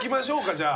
じゃあ。